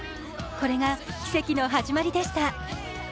これが奇跡の始まりでした。